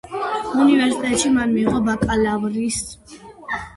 უნივერსიტეტში, მან მიიღო ბაკალავრის, ადვოკატის და დოქტორის ხარისხი იურისპრუდენციაში.